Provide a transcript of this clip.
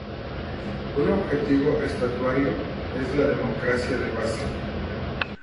Un objetivo estatutario es la democracia de base.